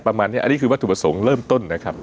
ประมาณนี้อันนี้คือวัตถุประสงค์เริ่มต้นนะครับ